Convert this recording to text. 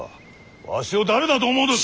わしを誰だと思うとる！